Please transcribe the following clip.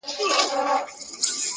ټول کندهار کي يو لونگ دی، دی غواړي,